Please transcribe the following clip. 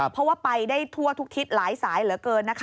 เพราะว่าไปได้ทั่วทุกทิศหลายสายเหลือเกินนะคะ